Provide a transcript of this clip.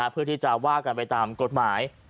เพื่อที่จะว่ากันไปตามกฎหมาย